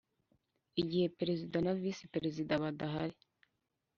Igihe perezida naba Visi perezida badahari